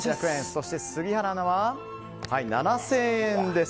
そして杉原アナは７０００円です。